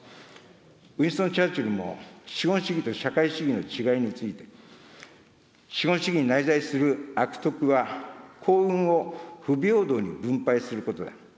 ウィンストン・チャーチルも、資本主義と社会主義の違いについて、資本主義に内在する悪徳は、幸運を不平等に分配することだ。